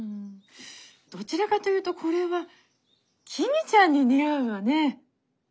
どちらかというとこれは公ちゃんに似合うわね。